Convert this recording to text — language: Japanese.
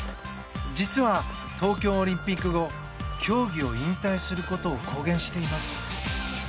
実は、東京オリンピック後競技を引退することを公言しています。